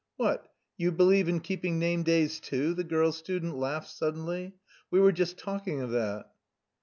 "What, you believe in keeping name days too!" the girl student laughed suddenly. "We were just talking of that."